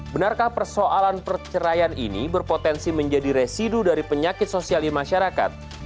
benarkah persoalan perceraian ini berpotensi menjadi residu dari penyakit sosial di masyarakat